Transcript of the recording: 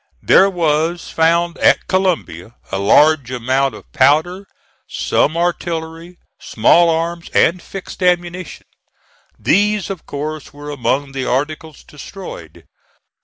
There was found at Columbia a large amount of powder, some artillery, small arms and fixed ammunition. These, of course were among the articles destroyed.